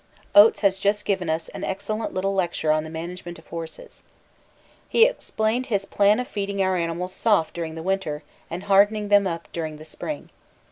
Oates has just given us an excellent little lecture on the management of horses. He explained his plan of feeding our animals 'soft' during the winter, and hardening them up during the spring.